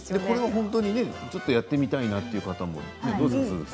これは本当にちょっとやってみたいな、という方も。